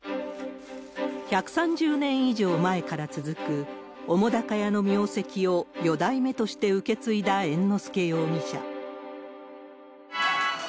１３０年以上前から続く、澤瀉屋の名跡を四代目として受け継いだ猿之助容疑者。